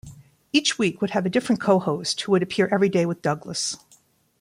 Each week would have a different co-host who would appear every day with Douglas.